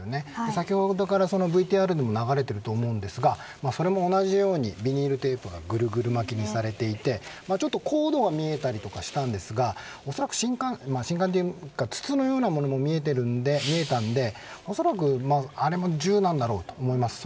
先ほどからＶＴＲでも流れていると思うんですがそれも同じようにビニールテープがぐるぐる巻きにされていてコードが見えたりしたんですがおそらく信管といいますか筒のようなものも見えたのでおそらくそれも銃だと思います。